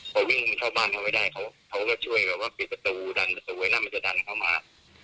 พอวิ่งเข้าบ้านเขาไม่ได้เขาก็ช่วยแบบว่าปิดประตูดันประตูไว้นั่นมันจะดันเข้ามา